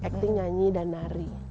acting nyanyi dan nari